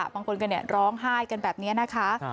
บางคนก็ร้องไห้กันแบบนี้นะคะ